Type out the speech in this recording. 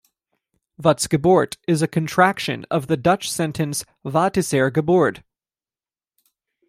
"Watskeburt" is a contraction of the Dutch sentence "Wat is er gebeurd?